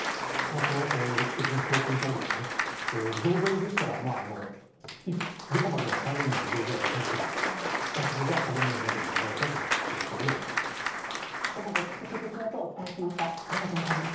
その歴史的な教訓から、増税でしたら、いつ、どこまでも際限なく増税はできませんので、そこが歯止めになるんではないかと、岸田総理は見ています。